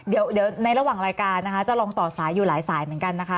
เดี๋ยวในระหว่างรายการนะคะจะลองต่อสายอยู่หลายสายเหมือนกันนะคะ